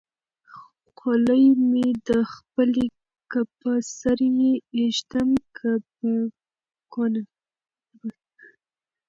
خولۍ مې ده خپله که په سر يې ايږدم که په کونه